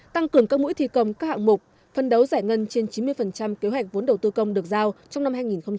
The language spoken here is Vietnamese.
tăng cường các mũi thi công các hạng mục phân đấu giải ngân trên chín mươi kế hoạch vốn đầu tư công được giao trong năm hai nghìn hai mươi